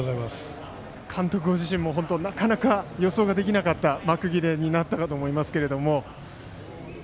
監督ご自身もなかなか予想ができなかった幕切れになったかと思いますけれども。